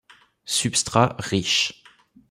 Substrat riche.